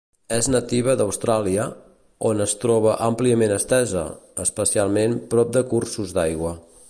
És nativa d'Austràlia, on es troba àmpliament estesa, especialment prop de cursos d'aigua.